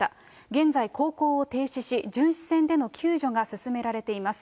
現在、航行を停止し、巡視船での救助が進められています。